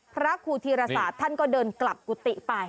พระครูธีรศาสตร์ท่านก็เดินกลับกุฏิไป